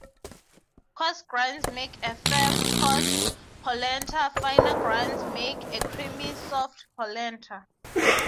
Coarse grinds make a firm, coarse polenta; finer grinds make a creamy, soft polenta.